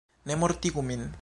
Ne mortigu min!